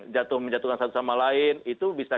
jatuh menjatuhkan satu sama lain itu bisa